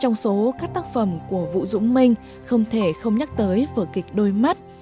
trong số các tác phẩm của vũ dũng minh không thể không nhắc tới vợ kịch đôi mắt